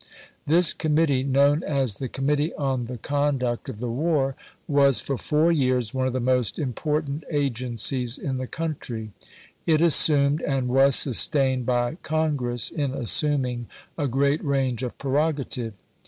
This com mittee, known as the Committee on the Conduct of the War, was for four years one of the most im portant agencies in the country. It assumed, and was sustained by Congress in assuming, a great range of prerogative.